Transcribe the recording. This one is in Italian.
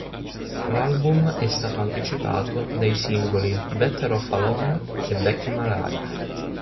L'album è stato anticipato dai singoli "Better Off Alone" e "Back in My Life".